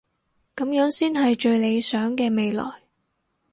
噉樣先係最理想嘅未來